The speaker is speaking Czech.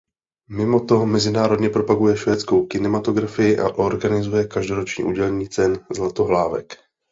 Mimo to mezinárodně propaguje švédskou kinematografii a organizuje každoroční udílení cen Zlatohlávek.